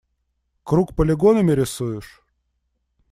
Круг полигонами рисуешь?